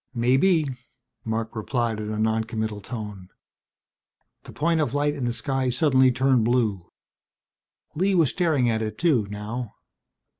"Maybe," Marc replied in a noncommittal tone. The point of light in the sky suddenly turned blue. Lee was staring at it too, now.